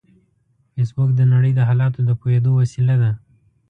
فېسبوک د نړۍ د حالاتو د پوهېدو وسیله ده